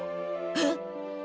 えっ？